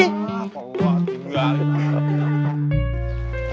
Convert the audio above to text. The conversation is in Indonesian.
wah pak ustadz juga